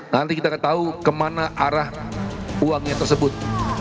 nanti kita akan tahu kemana arah uangnya tersebut